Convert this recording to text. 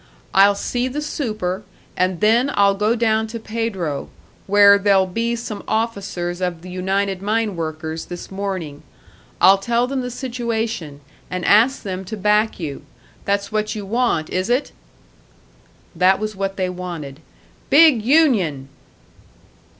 I'll see the super, and then I'll go down to Pedro, where there'll be some officers of the United Mine workers this morning. I'll tell them the situation, and ask them to back you. That's what you want, is it?" That was what they wanted. "Big union!"